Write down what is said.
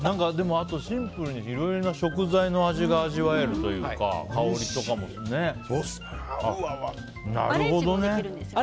シンプルにいろいろな食材の味が味わえるというか香りとかもなるほどね！